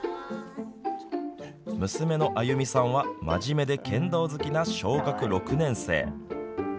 娘の愛弓さんは真面目で剣道好きな小学６年生。